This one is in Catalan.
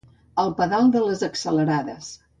El pedal de les accelerades.